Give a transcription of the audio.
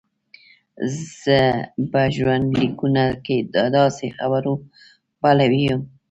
زه په ژوندلیکونو کې د داسې خبرو پلوی یم.